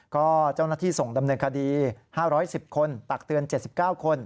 ก็เจ้าหน้าที่ส่งดำเนินคดี๕๑๐คนตักเตือน๗๙คน